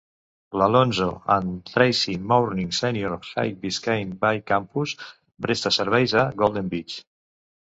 L'Alonzo and Tracy Mourning Senior High Biscayne Bay Campus presta serveis a Golden Beach.